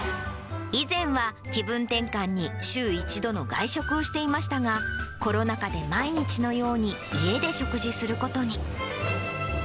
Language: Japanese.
以前は気分転換に週１度の外食をしていましたが、コロナ禍で毎日のように家で食事することに。